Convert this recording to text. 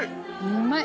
うまい。